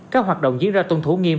các hoạt động diễn ra tuân thủ nghiêm